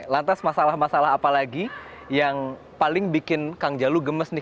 lantas masalah masalah apa lagi yang paling bikin kang jalu gemes nih